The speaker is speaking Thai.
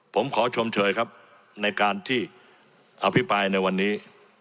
ผมขอชมเชยครับในการที่อภิปรายในวันนี้